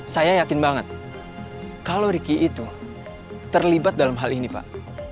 saya yakin banget kalau ricky itu terlibat dalam hal ini pak